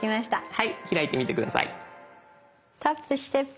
はい。